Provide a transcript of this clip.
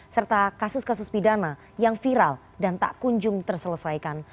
serta kasus kasus pidana yang viral dan tak kunjung terselesaikan